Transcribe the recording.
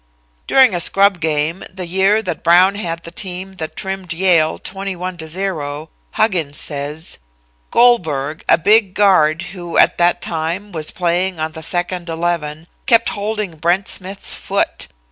'" During a scrub game, the year that Brown had the team that trimmed Yale 21 to 0, Huggins says: "Goldberg, a big guard who, at that time, was playing on the second eleven, kept holding Brent Smith's foot.